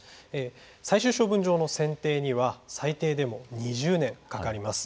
最終処分場の選定には最低でも２０年かかります。